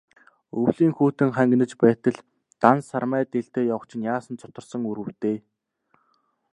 Өвлийн хүйтэн хангинаж байтал, дан сармай дээлтэй явах чинь яасан зутарсан үр вэ дээ.